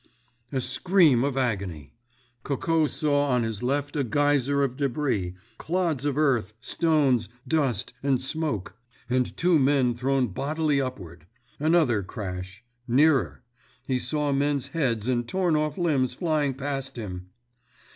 A scream of agony! Coco saw on his left a geyser of débris—clods of earth, stones, dust, and smoke, and two men thrown bodily upward. Another crash—nearer—he saw men's heads and torn off limbs flying past him.